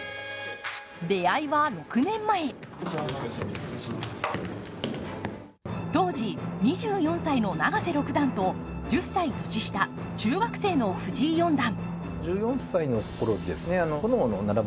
出会いは６年前、当時、２４歳の永瀬六段と１０歳年下、中学生の藤井四段。